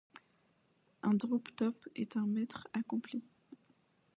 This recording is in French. Un druptob est un maître accompli.